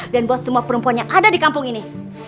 dan buat semua perempuan yang ada di kampung ini